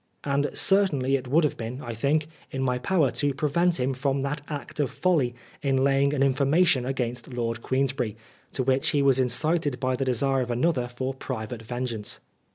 And certainly it would have been, I think, in my power to prevent him from that act of folly in laying an information against Lord Queensberry, to which he was incited by the desire of another for private vengeance.